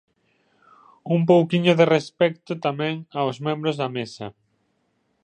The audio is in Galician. ¡Un pouquiño de respecto tamén aos membros da Mesa!